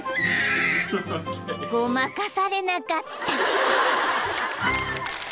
［ごまかされなかった］